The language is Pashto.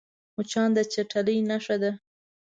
مچان د چټلۍ نښه ده